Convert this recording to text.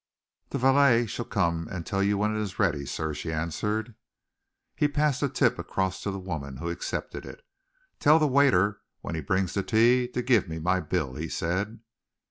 "The valet shall come and tell you when it is ready, sir," she answered. He passed a tip across to the woman, who accepted it. "Tell the waiter when he brings the tea to give me my bill," he said.